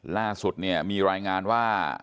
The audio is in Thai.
ล่าสุดเนี่ยมีรายงานว่า